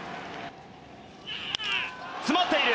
詰まっている！